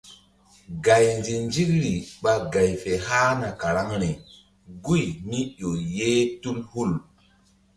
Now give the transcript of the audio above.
Gay nzi-nzikri ɓa gay fe hahna karaŋri guy mí ƴo ye tul hul.